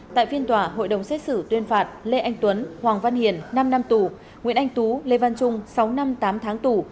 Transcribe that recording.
tại phiên tòa hội đồng xét xử tuyên phạt lê anh tuấn hoàng văn hiền năm năm tù nguyễn anh tú lê văn trung sáu năm tám tháng tù